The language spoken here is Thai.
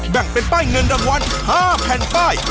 แบ่งเป็นป้ายเงินรางวัล๕แผ่นป้าย